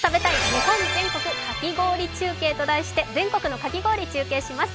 日本全国かき氷中継」と題して全国のかき氷、中継します。